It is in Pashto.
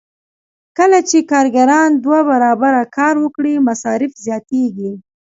کله چې کارګران دوه برابره کار وکړي مصارف زیاتېږي